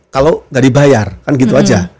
kalau nggak dibayar kan gitu aja